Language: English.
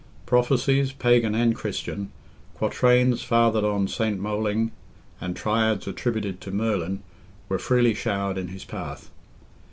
Prophecies, pagan and Christian—quatrains fathered on Saint Moling and triads attributed to Merlin—were freely showered in his path.